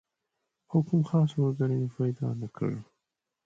خو کوم خاص ملګری مې پیدا نه کړ.